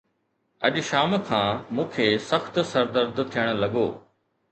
اڄ شام کان مون کي سخت سر درد ٿيڻ لڳو